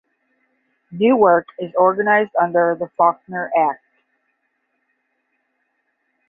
Newark is organized under the Faulkner Act.